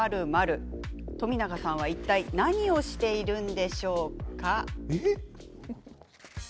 冨永さん、いったい何をしているのでしょうか？